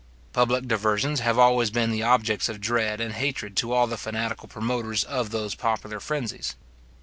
Public diversions have always been the objects of dread and hatred to all the fanatical promoters of those popular frenzies.